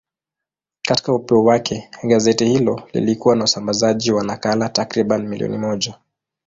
Katika upeo wake, gazeti hilo lilikuwa na usambazaji wa nakala takriban milioni moja.